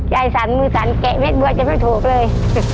หายสนมือสนแกะเม็ดบวนจะไม่ถูกเลย